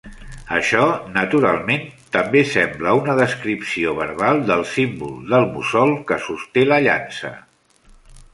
Això, naturalment, també sembla una descripció verbal del símbol del mussol que sosté la llança.